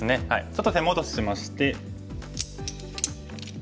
ちょっと手戻ししまして。